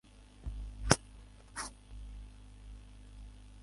Cornwallis-West Scotland গার্ডে কর্মরত ছিলেন।